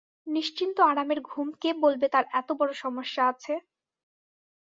নিশ্চিন্ত আরামের ঘুম কে বলবে তাঁর এত বড় সমস্যা আছে।